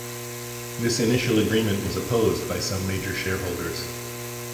This initial agreement was opposed by some major shareholders.